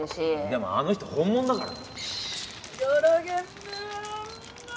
でもあの人本物だから。